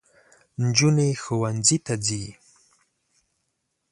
نجوني ښوونځۍ ته ځي